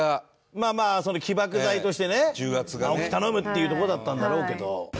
まあまあその起爆剤としてね青木頼むっていうところだったんだろうけど。